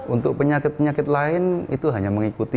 untuk penyakit penyakit lain itu hanya mengikuti